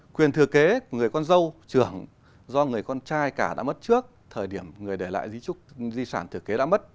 quyền thừa kế của người con dâu trưởng do người con trai cả đã mất trước thời điểm người để lại di sản thừa kế đã mất